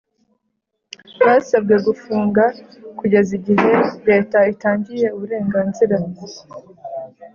basabwe gufunga kugeza igihe leta itangiye uburenganzira